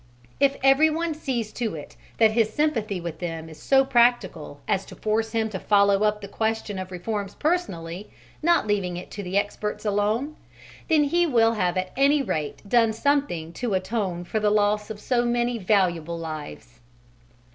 If everyone sees to it that his sympathy with them is so practical as to force him to follow up the question of reforms personally, not leaving it to experts alone, then he will have at any rate done something to atone for the loss of so many valuable lives.